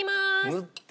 塗って。